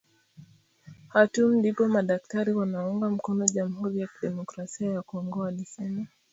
Khartoum ndipo madaktari wanaounga mkono jamuhuri ya demokrasia ya Kongo walisema